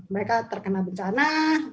mereka terkena bencana